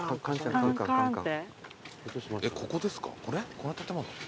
この建物？